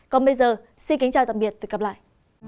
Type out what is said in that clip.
còn bây giờ xin kính chào tạm biệt và hẹn gặp lại